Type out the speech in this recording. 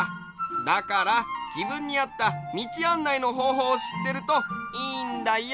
だからじぶんにあったみちあんないのほうほうをしってるといいんだよ。